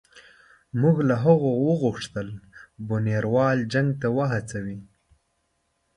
موږ له هغه وغوښتل بونیروال جنګ ته وهڅوي.